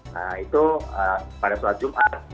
nah itu pada saat jumat